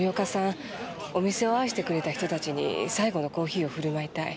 お店を愛してくれた人たちに最後のコーヒーをふるまいたい。